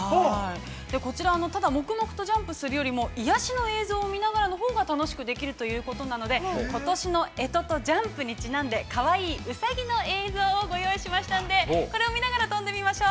◆こちら、ただ黙々とジャンプするよりも癒やしの映像を見ながらのほうが楽しくできるということなのでことしのえととジャンプに因んでかわいいウサギの映像をご用意しましたんでこれを見ながら跳んでみましょう。